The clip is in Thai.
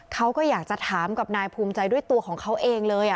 เขาก็อยากจะถามกับนายภูมิใจด้วยตัวของเขาเองเลย